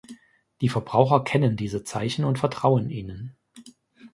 Die Verbraucher kennen diese Zeichen und vertrauen ihnen.